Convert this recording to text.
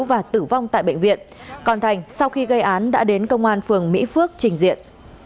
và tử vong tại bệnh viện còn thành sau khi gây án đã đến công an phường mỹ phước trình diện